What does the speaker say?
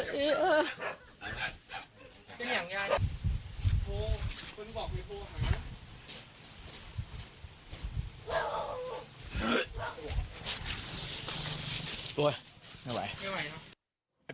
โอ้โฮไม่ไหวไม่ไหวเหรอ